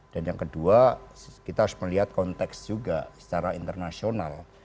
dan yang kedua kita harus melihat konteks juga secara internasional